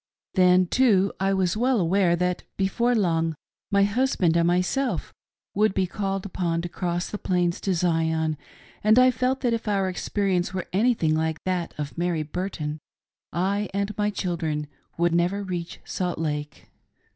Then, too, I was well aware that, before long, my husband and myself would be called upon to cross the Plains to Zion, and I felt that if our experience were anything like that of Mary Burton, I and my children would never reach Salt Lake.